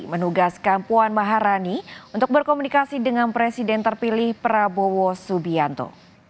menugaskan puan maharani untuk berkomunikasi dengan presiden terpilih prabowo subianto